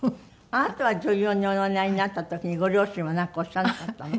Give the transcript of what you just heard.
あなたは女優におなりになった時にご両親はなんかおっしゃらなかったの？